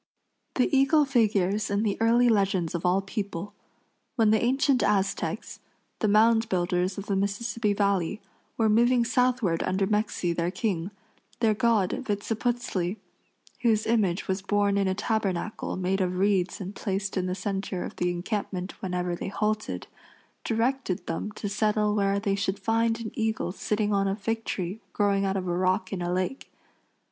The eagle figures in the early legends of all people. When the ancient Aztecs, the mound builders of the Mississippi Valley, were moving southward under Mexi, their king, their god, Vitziputzli, whose image was borne in a tabernacle made of reeds and placed in the center of the encampment whenever they halted, directed them to settle where they should find an eagle sitting on a fig tree growing out of a rock in a lake.